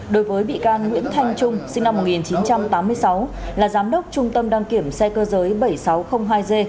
đối với bị can nguyễn thanh trung sinh năm một nghìn chín trăm tám mươi sáu là giám đốc trung tâm đăng kiểm xe cơ giới bảy nghìn sáu trăm linh hai g